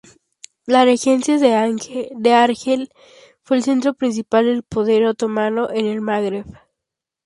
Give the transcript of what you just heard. La Regencia de Argel fue el centro principal del poder otomano en el Magreb.